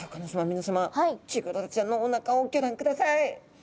皆さまチゴダラちゃんのおなかをギョ覧ください。